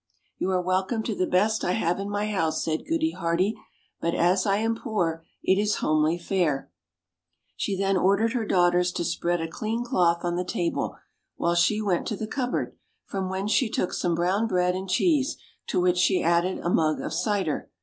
"You are welcome to the best I have in my house," said Ooody Hearty, "but as I am poor, it is homely fare." She then ordered her daughters to spread a clean cloth on the table, while she went to the cupboard, from whence she took some brown bread and cheese, to which she added a mug of cider.